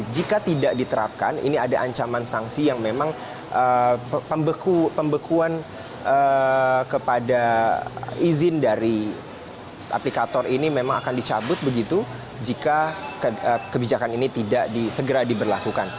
jika tidak diterapkan ini ada ancaman sanksi yang memang pembekuan kepada izin dari aplikator ini memang akan dicabut begitu jika kebijakan ini tidak segera diberlakukan